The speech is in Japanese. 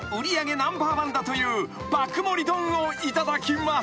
ナンバーワンだという爆盛り丼をいただきます］